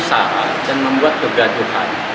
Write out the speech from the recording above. salah dan membuat kegaduhan